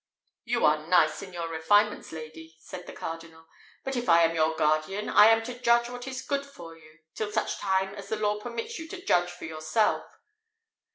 "You are nice in your refinements, lady," said the cardinal; "but if I am your guardian, I am to judge what is good for you, till such time as the law permits you to judge for yourself."